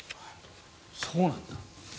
そうなんだ。